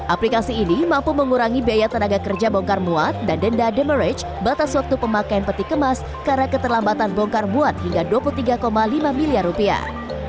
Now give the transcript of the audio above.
aplikasi ini mampu mengurangi biaya tenaga kerja bongkar muat dan denda demarage batas waktu pemakaian peti kemas karena keterlambatan bongkar muat hingga dua puluh tiga lima miliar rupiah